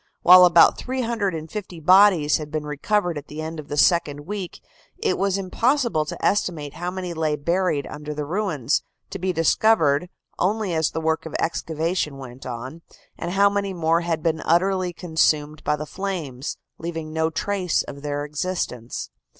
While about 350 bodies had been recovered at the end of the second week, it was impossible to estimate how many lay buried under the ruins, to be discovered only as the work of excavation went on, and how many more had been utterly consumed by the flames, leaving no trace of their existence.